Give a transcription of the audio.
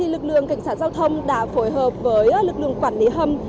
lực lượng cảnh sát giao thông đã phối hợp với lực lượng quản lý hầm